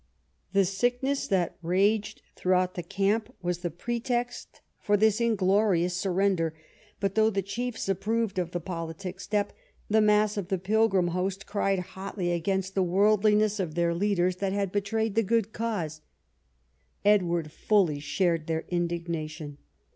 The sickness that raged throughout the camp was the pretext for this E 50 EDWARD I chap. inglorious surrender, but though the chiefs approved of the politic step, the mass of the pilgrim host cried hotly against the worldliness of their leaders that had betrayed the good cause. Edward fully shared their indignation.